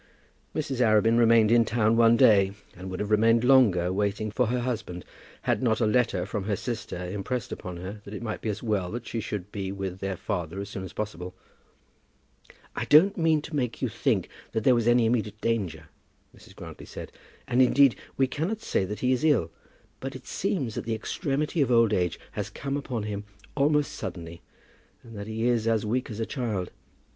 Mrs. Arabin remained in town one day, and would have remained longer, waiting for her husband, had not a letter from her sister impressed upon her that it might be as well that she should be with their father as soon as possible. "I don't mean to make you think that there is any immediate danger," Mrs. Grantly said, "and, indeed, we cannot say that he is ill; but it seems that the extremity of old age has come upon him almost suddenly, and that he is as weak as a child.